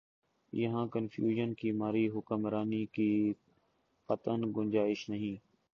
یہاں کنفیوژن کی ماری حکمرانی کی قطعا گنجائش نہیں۔